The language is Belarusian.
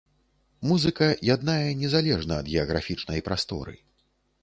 Музыка яднае незалежна ад геаграфічнай прасторы.